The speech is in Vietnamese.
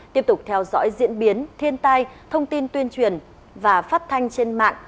tiếp tục theo dõi diễn biến thiên tai thông tin tuyên truyền và phát thanh trên mạng